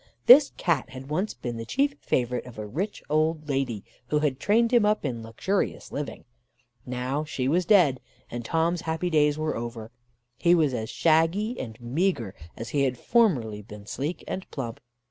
This Cat had once been the chief favourite of a rich old lady, who had trained him up in luxurious living. Now she was dead, and Tom's happy days were over: he was as shaggy and meagre, as he had formerly been sleek and plump.